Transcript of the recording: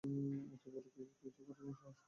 অথবা বড় কিচু করার জন্য সাহস নাই?